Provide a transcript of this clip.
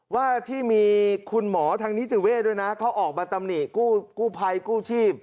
ว่าที่มีคุณหมอทางนิติเวทด้วยนะเขาออกมาตำหนิกู้ภัยกู้ชีพ